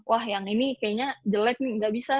wah yang ini kayaknya jelek nih nggak bisa